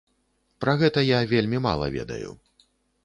Пра гэта я вельмі мала ведаю.